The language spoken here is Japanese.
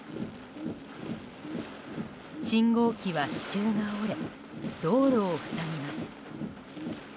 信号機は支柱が折れ道路を塞ぎます。